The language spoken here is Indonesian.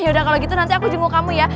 yaudah kalo gitu nanti aku jenguk kamu ya